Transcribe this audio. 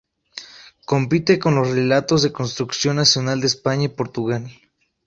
Compite con los relatos de construcción nacional de España y Portugal.